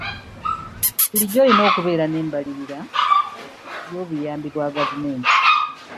Bulijjo olina okubeera n'embalirira y'obuyambi bwa gavumenti.